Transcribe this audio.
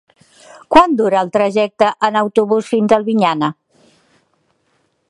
Quant dura el trajecte en autobús fins a Albinyana?